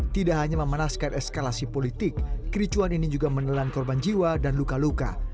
tidak hanya memanaskan eskalasi politik kericuan ini juga menelan korban jiwa dan luka luka